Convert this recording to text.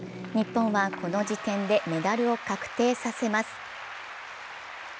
日本はこの時点でメダルを確定させます。